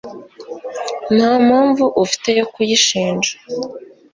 nta mpamvu ufite yo kuyishinja